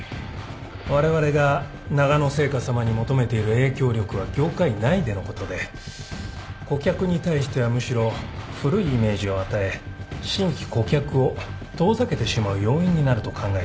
われわれがながの製菓さまに求めている影響力は業界内でのことで顧客に対してはむしろ古いイメージを与え新規顧客を遠ざけてしまう要因になると考えております。